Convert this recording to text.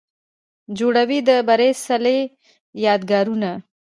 جوړوي د بري څلې، یادګارونه